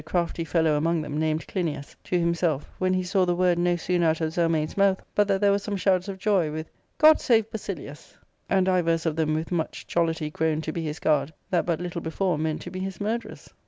crafty fellow among them, named Clinias, to himself, when he saw the word no sooner out of Zelmane's mouth but that there were some shouts of joy, with " God save Basilius !" and divers of them with much jollity grown to be his guard that but little before meant to be his murderers.